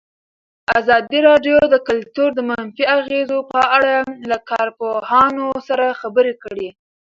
ازادي راډیو د کلتور د منفي اغېزو په اړه له کارپوهانو سره خبرې کړي.